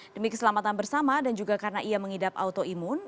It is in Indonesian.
demi keselamatan bersama dan juga karena ia mengidap autoimun